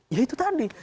ya itu tadi